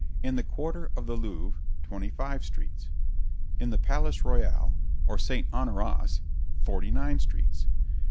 In the quarter of the Louvre, twenty five streets. In the Palace Royal, or St. Honorius, forty nine streets.